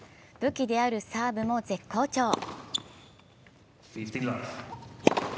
武器であるサーブも絶好調。